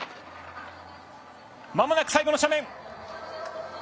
まもなく最後の斜面。